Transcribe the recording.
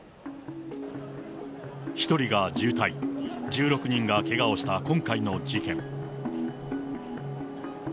１人が重体、１６人がけがをした今回の事件。